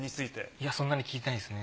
いやそんなに聞いてないですね。